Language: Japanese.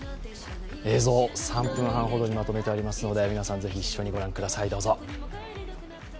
映像３分半ほどにまとめてありますので、皆さんぜひ一緒にご覧ください。